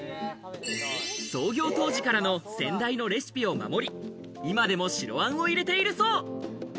創業当時からの先代のレシピを守り、今でも白あんを入れているそう。